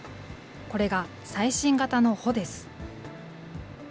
これが最新型の帆です。